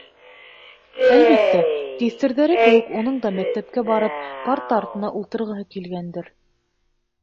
Әлбиттә, тиҫтерҙәре кеүек уның да мәктәпкә барып, парта артына ултырғыһы килгәндер.